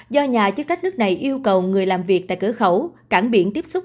do nhà chức trách nước này yêu cầu người làm việc tại cửa khẩu cảng biển tiếp xúc